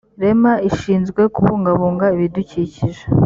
rema ishinzwe kubungabunga ibidukikije